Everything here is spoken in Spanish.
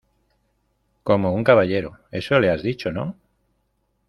como un caballero. ¿ eso le has dicho, no?